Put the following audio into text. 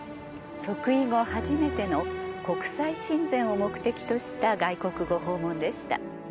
即位後初めての国際親善を目的とした外国ご訪問でした。